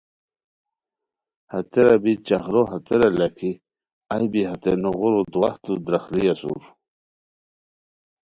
ہتیرا بی چاخروہتیرا لاکھی ایھ بی ہتے نوغٔورو دواہتو دراغلی اسور